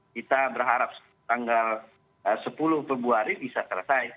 kita berharap tanggal sepuluh februari bisa selesai